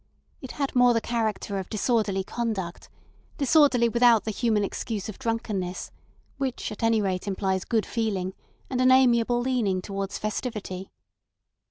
It had more the character of disorderly conduct; disorderly without the human excuse of drunkenness, which at any rate implies good feeling and an amiable leaning towards festivity.